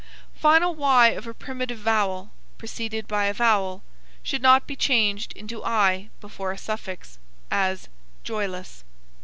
Final y of a primitive vowel, preceded by a vowel, should not be changed into i before a suffix; as, joyless.